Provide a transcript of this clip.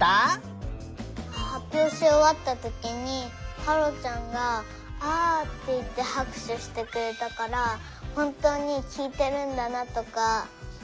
はっぴょうしおわったときにはろちゃんが「あ」っていってはくしゅしてくれたからほんとうにきいてるんだなとかおもいました。